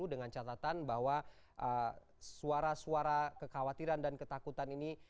dengan catatan bahwa suara suara kekhawatiran dan ketakutan ini